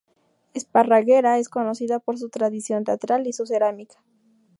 Esparraguera es conocida por su tradición teatral y su cerámica.